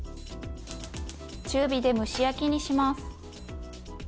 中火で蒸し焼きにします。